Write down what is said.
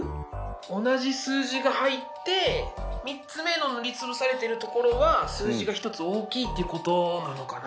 同じ数字が入って３つ目の塗り潰されてるところは数字が１つ大きいってことなのかな？